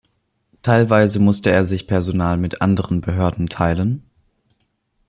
Teilweise musste er sich Personal mit anderen Behörden teilen.